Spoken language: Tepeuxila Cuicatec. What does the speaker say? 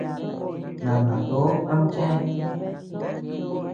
Nangatoʼo am chéa.